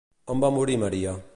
On va morir Maria?